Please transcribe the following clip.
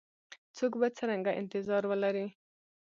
څوک به څرنګه انتظار ولري؟